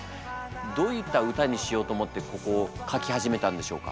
どういった歌にしようと思ってここ書き始めたんでしょうか？